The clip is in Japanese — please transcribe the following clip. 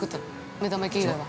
目玉焼き以外は。